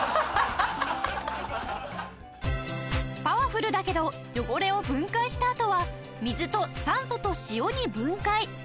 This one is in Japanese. パワフルだけど汚れを分解したあとは水と酸素と塩に分解。